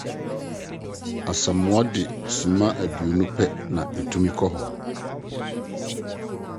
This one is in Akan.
Asamoah de simma aduonu pɛ na otumi de kɔ hɔ.